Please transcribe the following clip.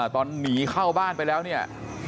ตอนหนีเข้าบ้านไปแล้วเนี่ย